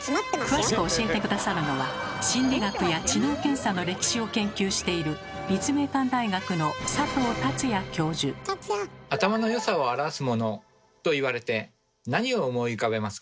詳しく教えて下さるのは心理学や知能検査の歴史を研究している「頭のよさを表すもの」と言われて何を思い浮かべますか？